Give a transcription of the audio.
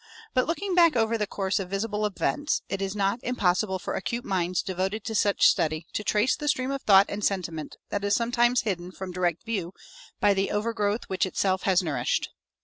But looking back over the course of visible events, it is not impossible for acute minds devoted to such study to trace the stream of thought and sentiment that is sometimes hidden from direct view by the overgrowth which itself has nourished.